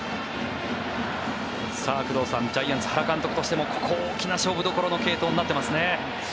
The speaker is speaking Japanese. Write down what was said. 工藤さんジャイアンツ原監督としてもここ、大きな勝負どころの継投になっていますね。